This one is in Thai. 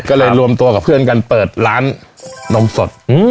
ก็เลยรวมตัวกับเพื่อนกันเปิดร้านนมสด